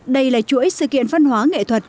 đây là chuỗi sự kiện văn hóa nghệ thuật